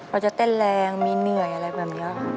เราจะเต้นแรงมีเหนื่อยอะไรแบบนี้